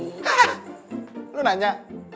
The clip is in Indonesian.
hah lo nanya